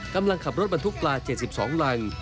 กำลังขับรถบรรทุกปลา๗๒รัง